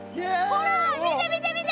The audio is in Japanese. ほら見て見て見て！